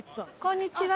こんにちは。